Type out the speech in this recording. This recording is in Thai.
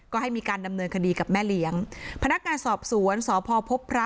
ก็ให้มีการดำเนินคดีกับแม่เลี้ยงพนักงานสอบสวนสพพบพระ